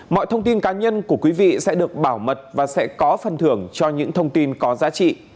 mọi thông tin cá nhân của quý vị sẽ được bảo mật và sẽ có phần thưởng cho những thông tin có giá trị